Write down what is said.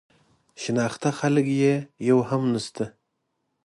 شناخته خلک یې یو هم نه شته.